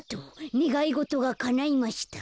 ねがいごとがかないました。